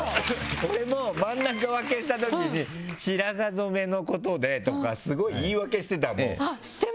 俺も真ん中分けした時に白髪染めのことでとかすごい言い訳してたもん。